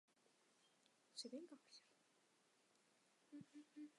在实习和体验方面